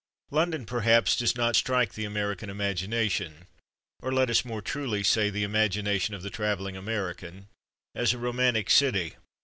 London, perhaps, does not strike the American imagination, or, let us more truly say, the imagination of the travelling American, as a romantic city.